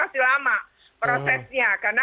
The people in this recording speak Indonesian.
masih lama prosesnya karena